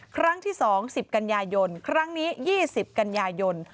ครั้งที่๒๐กันยายนครั้งนี้๒๐กันยายน